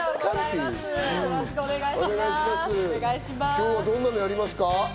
今日はどんなの、やりますか？